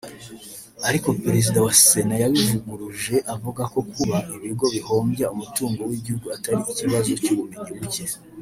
Ariko Perezida wa Sena yabivuguruje avuga ko kuba ibigo bihombya umutungo w’Igihugu atari ikibazo cy’ubumenyi buke